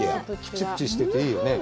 プチプチしてていいよね。